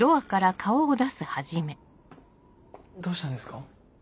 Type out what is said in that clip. ・どうしたんですか？